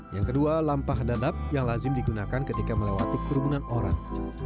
yang kedua lampah dadap yang lazim digunakan ketika melewati kerumunan orang